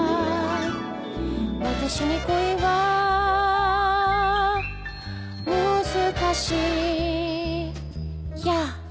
「私に恋は難しいや」